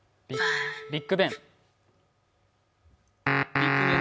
ビッグ・ベン。